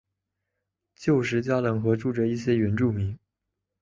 旧时加冷河住着一些原住民。